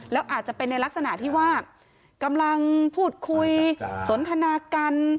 แล้วอาจจะเป็นในลักษณะที่ว่ากำลังพูดคุยสนทนากัน